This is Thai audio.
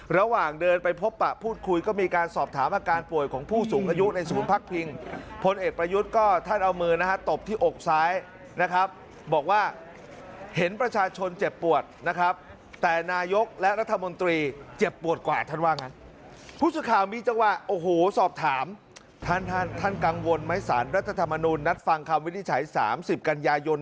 ระหว่างเดินไปพบประพูดคุยก็มีการสอบถามอาการป่วยของผู้สูงอายุในภาคพิงภาคพิงภาคพิงภาคพิงภาคพิงภาคพิงภาคพิงภาคพิงภาคพิงภาคพิงภาคพิงภาคพิงภาคพิงภาคพิงภาคพิงภาคพิงภาคพิงภาคพิงภาคพิงภาคพิงภาคพิงภาคพิงภาคพิงภาคพิงภาคพ